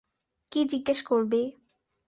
কী জিজ্ঞেস করবি?